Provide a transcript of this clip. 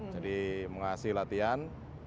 jadi mengasih latihan